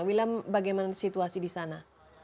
wilam bagaimana situasi di sana